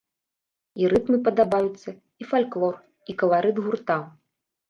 І рытмы падабаюцца, і фальклор, і каларыт гурта.